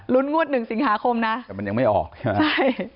ลุ้นงวดหนึ่งสิงหาคมนะแต่มันยังไม่ออกใช่